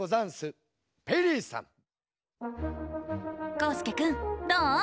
こうすけくんどう？